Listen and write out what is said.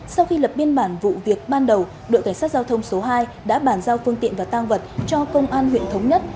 sau khi lập biên bản vụ việc ban đầu đội cảnh sát giao thông số hai đã bàn giao phương tiện và tang vật cho công an huyện thống nhất